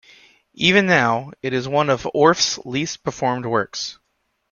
Even now, it is one of Orff's least performed works.